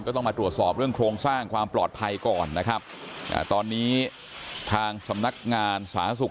ต้องมาตรวจสอบเรื่องโครงสร้างความปลอดภัยก่อนนะครับตอนนี้ทางสำนักงานสาธารณสุข